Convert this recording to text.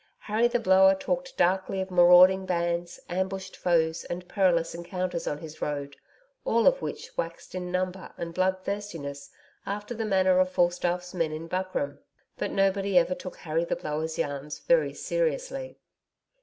Harry the Blower talked darkly of marauding bands, ambushed foes and perilous encounters on his road, all of which waxed in number and blood thirstiness after the manner of Falstaff's men in buckram. But nobody ever took Harry the Blower's yarns very seriously.